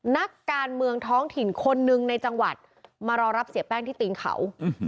นักการเมืองท้องถิ่นคนหนึ่งในจังหวัดมารอรับเสียแป้งที่ตีนเขา